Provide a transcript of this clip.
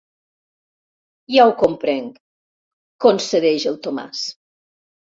Ja ho comprenc –concedeix el Tomàs.